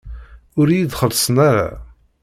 Ur iyi-d-xellṣen ara.